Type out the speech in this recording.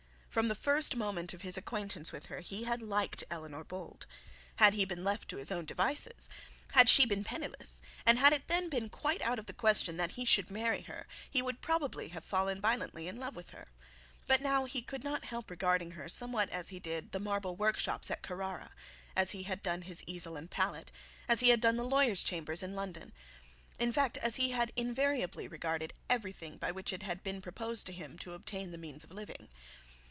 From the first moment of his acquaintance with her he had liked Eleanor Bold. Had he been left to his own devices, had she been penniless, and had it then been quite out of the question that he should marry her, he would most probably have fallen violently in love with her. But now he could not help regarding her somewhat as he did the marble workshops at Carrara, as he had done his easel and palette, as he had done the lawyer's chambers in London; in fact, as he had invariably regarded everything by which it had been proposed to obtain the means of living.